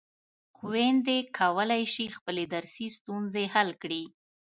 خویندې کولای شي خپلې درسي ستونزې حل کړي.